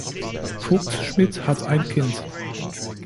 Vogtschmidt hat ein Kind.